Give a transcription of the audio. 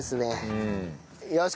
うん。